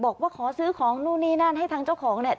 บอกว่าขอซื้อของนู่นนี่นั่นให้ทางเจ้าของเนี่ย